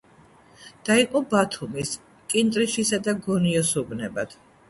დაიყო ბათუმის, კინტრიშისა და გონიოს უბნებად.